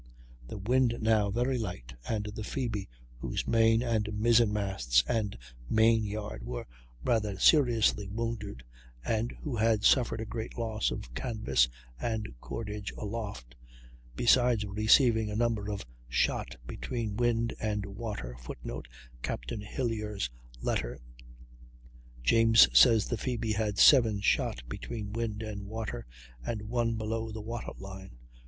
The wind was now very light, and the Phoebe, whose main and mizzen masts and main yard were rather seriously wounded, and who had suffered a great loss of canvas and cordage aloft, besides receiving a number of shot between wind and water, [Footnote: Captain Hilyar's letter. James says the Phoebe had 7 shot between wind and water, and one below the water line.